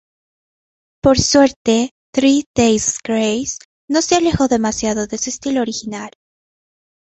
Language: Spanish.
Por suerte, Three Days Grace no se alejó demasiado de su estilo original".